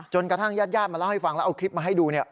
กระทั่งญาติญาติมาเล่าให้ฟังแล้วเอาคลิปมาให้ดู